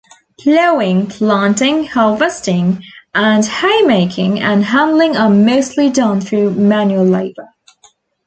Ploughing, planting, harvesting, and hay making and handling are mostly done through manual labour.